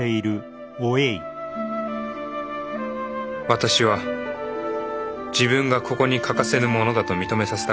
私は自分がここに欠かせぬ者だと認めさせたかった。